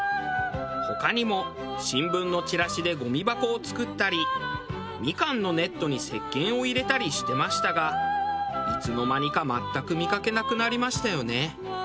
他にも新聞のチラシでゴミ箱を作ったりみかんのネットにせっけんを入れたりしてましたがいつの間にか全く見かけなくなりましたよね。